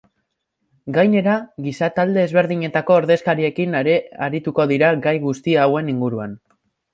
Gainera, giza talde ezberdinetako ordezkariekin ere arituko dira gai guzti hauen inguruan.